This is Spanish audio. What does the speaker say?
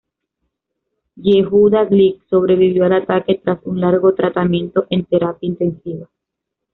Yehuda Glick sobrevivió el ataque tras un largo tratamiento en terapia intensiva.